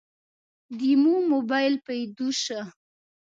دمو مباييل پيدو شه.